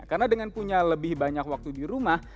karena dengan punya lebih banyak waktu di rumah